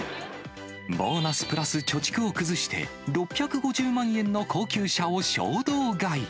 ボーナスプラス貯蓄を崩して、６５０万円の高級車を衝動買い。